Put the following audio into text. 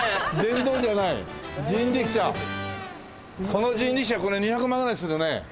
この人力車これ２００万ぐらいするね。